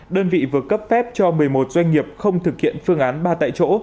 đơn vị vừa cấp phép cho một mươi một doanh nghiệp không thực hiện phương án ba tại chỗ